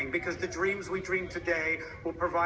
แบบนี้นะครับ